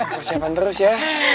persiapan terus ya